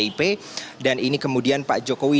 akan berlangsung secara jurdil ya damai